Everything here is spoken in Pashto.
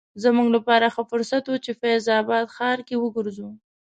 زموږ لپاره ښه فرصت و چې فیض اباد ښار کې وګرځو.